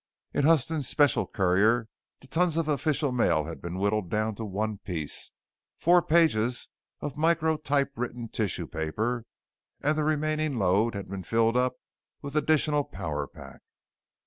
In Huston's special courier the tons of official mail had been whittled down to one piece, four pages of micro typewritten tissue paper and the remaining load had been filled up with additional power pack.